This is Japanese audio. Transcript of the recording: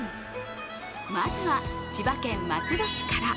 まずは千葉県松戸市から。